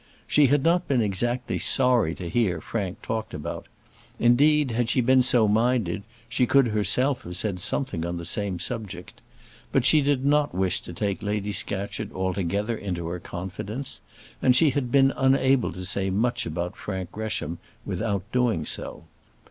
She had not been exactly sorry to hear Frank talked about; indeed, had she been so minded, she could herself have said something on the same subject; but she did not wish to take Lady Scatcherd altogether into her confidence, and she had been unable to say much about Frank Gresham without doing so.